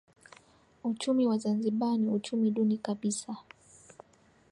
Uchumi wa Zanzibar ni uchumi duni kabisa